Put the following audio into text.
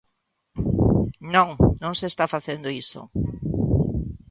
Non, non se está facendo iso.